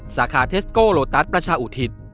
สาขาเทสโกโลตัสประชาอุทิศ